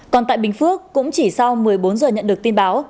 còn tại bình phước cũng chỉ sau một mươi bốn giờ nhận được tin báo